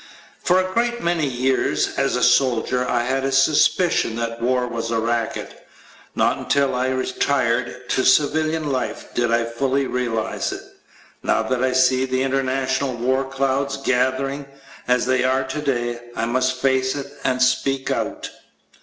For a great many years, as a soldier, I had a suspicion that war was a racket; not until I retired to civil life did I fully realize it. Now that I see the international war clouds gathering, as they are today, I must face it and speak out.